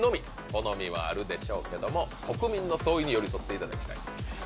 好みはあるでしょうけども国民の総意に寄り添っていただきたい。